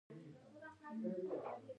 دوی بورسونه ورکوي او محصلین روزي.